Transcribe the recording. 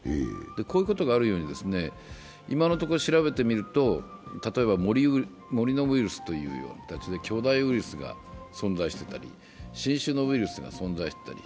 こういうことがあるように、今のところ調べてみるとモリノウイスルという形で巨大ウイルスが存在していたり、新種のウイルスが存在していたり。